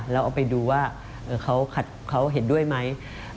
แล้วเอาไปดูว่าเขาเห็นด้วยไหม